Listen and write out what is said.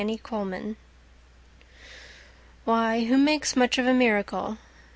Miracles Why, who makes much of a miracle?